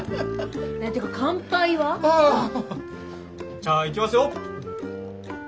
じゃあいきますよ。